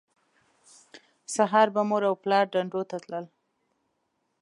سهار به مور او پلار دندو ته تلل